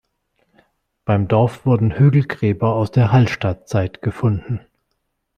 Beim Dorf wurden Hügelgräber aus der Hallstattzeit gefunden.